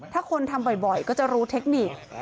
ถ้าคนทำบ่อยก็จะรู้เทคนิค